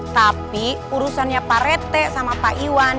tapi urusannya pak rete sama pak iwan